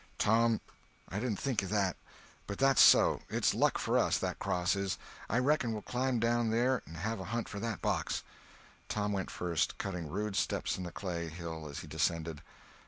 "Tom, I didn't think of that. But that's so. It's luck for us, that cross is. I reckon we'll climb down there and have a hunt for that box." Tom went first, cutting rude steps in the clay hill as he descended.